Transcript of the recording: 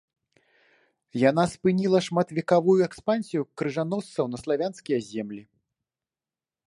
Яна спыніла шматвекавую экспансію крыжаносцаў на славянскія землі.